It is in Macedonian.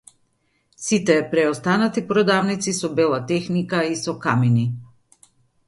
Сите преостанати продавници со бела техника и со камини.